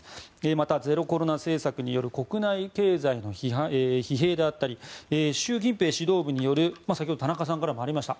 また、ゼロコロナ政策による国内経済の疲弊であったり習近平指導部による先ほど田中さんからもありました